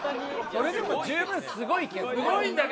それでも十分すごいけどね。